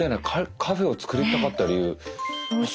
カフェを造りたかった理由。